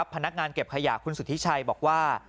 พนักงานเก็บขยะคุณสุธิชัยบอกว่า